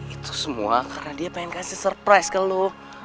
itu semua karena dia pengen kasih surprise ke loop